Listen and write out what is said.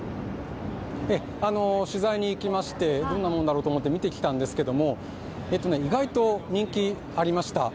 取材に行きまして、どんなもんだろうと思って見てきたんですけども意外と人気ありました。